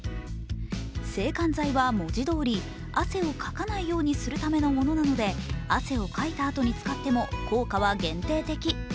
制汗剤は文字どおり汗をかかないようにするためのものなので汗をかいたあとに使っても効果は限定的。